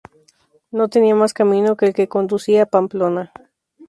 No tenía más camino que el que conducía a Pamplona.